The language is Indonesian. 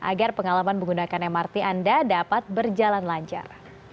agar pengalaman menggunakan mrt anda dapat berjalan lancar